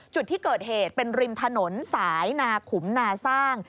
จุดที่เกิดเหตุเป็นริมถนนสายนาขุมนาสร้าง